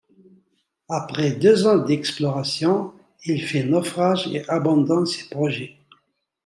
Après deux ans d'exploration, il fait naufrage et abandonne ses projets.